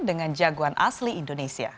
dengan jagoan asli indonesia